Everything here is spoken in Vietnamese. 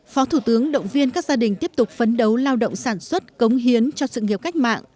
phó thủ tướng động viên các gia đình tiếp tục phấn đấu lao động sản xuất cống hiến cho sự nghiệp cách mạng